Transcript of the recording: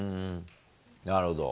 なるほど。